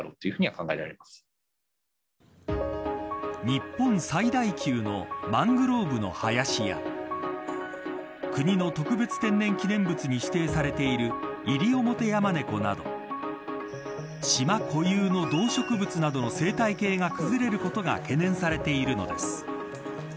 日本最大級のマングローブの林や国の特別天然記念物に指定されているイリオモテヤマネコなど島固有の動植物などの生態系が崩れることが懸念されているのです。